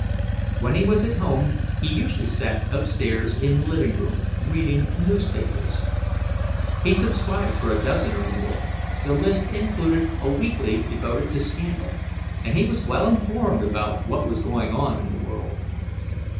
When he was at home, he usually sat upstairs in the living room, reading newspapers. He subscribed for a dozen or more the list included a weekly devoted to scandal and he was well informed about what was going on in the world.